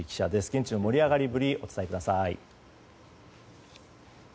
現地の盛り上がりぶりをお伝えください。